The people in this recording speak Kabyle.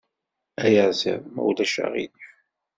Ayaziḍ, ma ulac aɣilif.